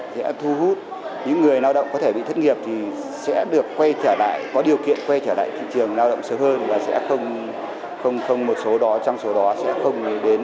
sẽ thu hút những người lao động có thể bị thất nghiệp sẽ được quay trở lại có điều kiện quay trở lại thị trường lao động sớm hơn